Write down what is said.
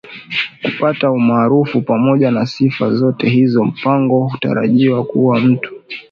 kupata umaarufuPamoja na sifa zote hizo Mpango hatarajiwi kuwa mtu atakayesababisha Chama cha